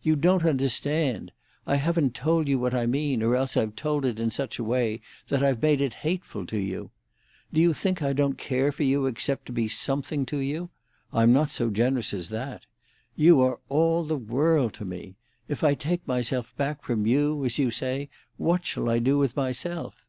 You don't understand—I haven't told you what I mean, or else I've told it in such a way that I've made it hateful to you. Do you think I don't care for you except to be something to you? I'm not so generous as that. You are all the world to me. If I take myself back from you, as you say, what shall I do with myself?"